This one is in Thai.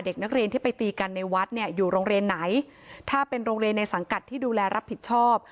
เด็กนักเรียนที่ไปตีกันในวัดเนี่ยอยู่โรงเรียนไหนถ้าเป็นโรงเรียนในสังกัดที่ดูแลรับผิดชอบ